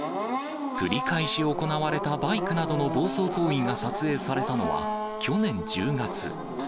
繰り返し行われたバイクなどの暴走行為が撮影されたのは去年１０月。